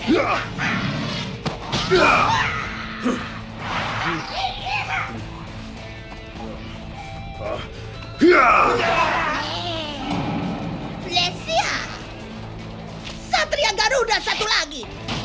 yesia satria garuda satu lagi